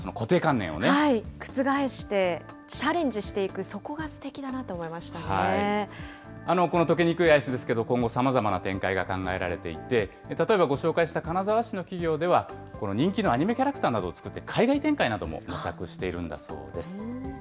覆して、チャレンジしていく、この溶けにくいアイスですけど、今後、さまざまな展開が考えられていて、例えばご紹介した金沢市の企業では、人気のアニメキャラクターなどを作って、海外展開なども模索しているんだそうです。